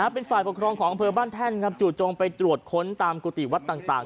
เป็นฝ่ายปกครองของอำเภอบ้านแท่นครับจู่จงไปตรวจค้นตามกุฏิวัดต่าง